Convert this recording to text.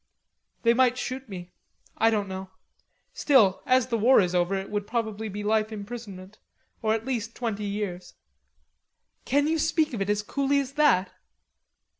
"They might shoot me; I don't know. Still, as the war is over, it would probably be life imprisonment, or at least twenty years." "You can speak of it as coolly as that?"